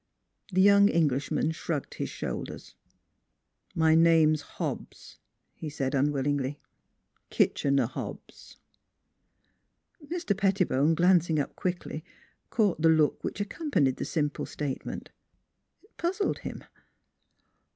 The young Englishman shrugged his shoulders. " My name is Hobbs," he said unwillingly. " Kitchener Hobbs." Mr. Pettibone, glancing up quickly, caught the look which accompanied the simple statement. It puzzled him.